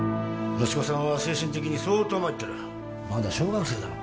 息子さんは精神的に相当まいってるまだ小学生だろ